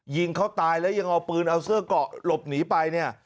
ยิงเขาตายแล้วยังเอาปืนเอาเสื้อกอลบหนีไป